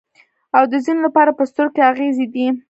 او د ځینو لپاره په سترګو کې اغزی دی.